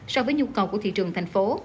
so với nhu cầu của thị trường thành phố